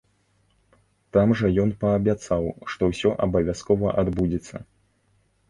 Там жа ён паабяцаў, што ўсё абавязкова адбудзецца.